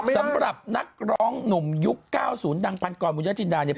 สำหรับนักร้องหนุ่มยุค๙๐ดังพันกรบุญญาจินดาเนี่ย